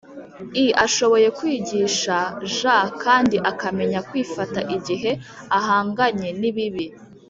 i ashoboye kwigisha j kandi akamenya kwifata igihe ahanganye n ibibi